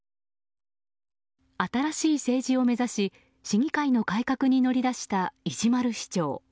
新しい政治を目指し市議会の改革に乗り出した石丸市長。